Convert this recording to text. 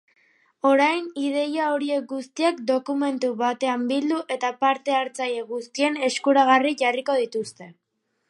Orain ideia horiek guztiak dokumentu batean bildu eta parte-hartzaile guztien eskuragarri jarriko dituzte.